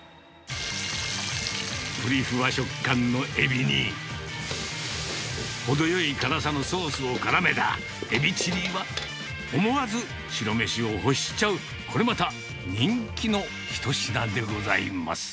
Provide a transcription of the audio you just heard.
ぷりふわ食感のエビに、程よい辛さのソースをからめたエビチリは、思わず白飯を欲しちゃう、これまた人気の一品でございます。